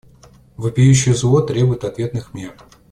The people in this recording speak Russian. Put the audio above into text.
Вопиющее зло требует ответных мер.